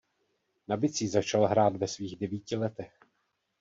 Na bicí začal hrát ve svých devíti letech.